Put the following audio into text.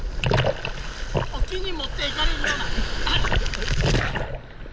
沖に持っていかれるような。